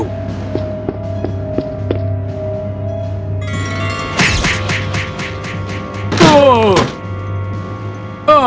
beberapa orang yang memerhatikanku terberkata keter klimat sekarang